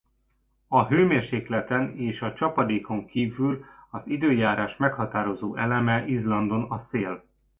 A hőmérsékleten és a csapadékon kívül az időjárás meghatározó eleme Izlandon a szél.